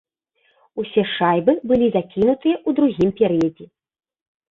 Усе шайбы былі закінутыя ў другім перыядзе.